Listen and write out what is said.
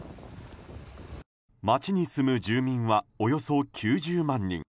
街に住む住民はおよそ９０万人。